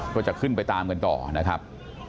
ก็จะขึ้นไปตามกันต่อนะครับ